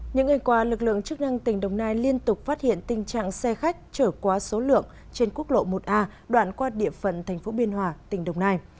những người qua lực lượng chức năng tỉnh đồng nai liên tục phát hiện tình trạng xe khách trở qua số lượng trên quốc lộ một a đoạn qua địa phận thành phố biên hòa tỉnh đồng nai